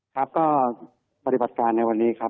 ครับก็ปฏิบัติการในวันนี้ครับ